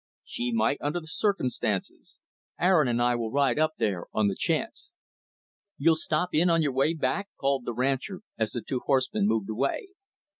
"She might, under the circumstances. Aaron and I will ride up there, on the chance." "You'll stop in on your way back?" called the rancher, as the two horsemen moved away.